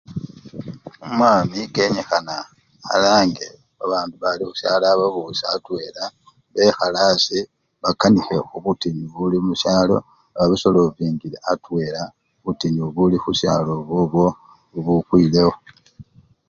OMWAMI KENYIKHANA ALANGE BABANDU BALI KHUSYALO ABABUSYE ATWELA BAKANIKHE KHUBUTINYU BULI KHUSYALO BABI SOLOVINGILE ATWELA BUTINYU BULI KHUSYALO OKHWOKHWO BUKWILEWO.